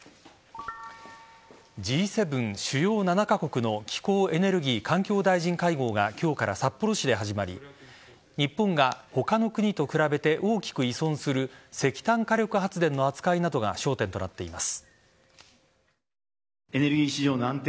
Ｇ７＝主要７カ国の気候・エネルギー・環境大臣会合が今日から札幌市で始まり日本が他の国と比べて大きく依存する石炭火力発電の扱いなどが焦点となっています。